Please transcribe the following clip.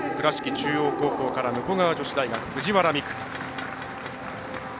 中央高校から武庫川女子大学藤原未来。